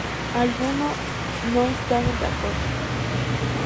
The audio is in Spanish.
Algunos no estaban de acuerdo.